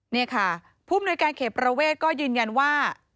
นี่ค่ะผู้มนุยการเขตประเวทก็ยืนยันว่า